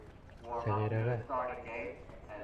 Сәғирәгә!